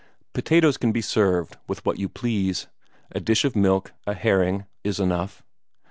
Potatoes can be served with what you please; a dish of milk, a herring, is enough.